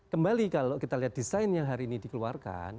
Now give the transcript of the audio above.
kembali kalau kita lihat desain yang hari ini dikeluarkan